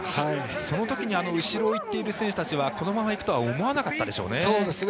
その時に後ろを行っている選手たちはこのまま行くとは思わなかったでしょうね。